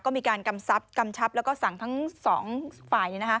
ก็มีการกำชับแล้วก็สั่งทั้งสองฝ่าย